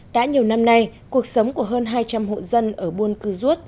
đã nhiều năm nay cuộc sống của hơn hai trăm linh hộ dân ở buôn cư rút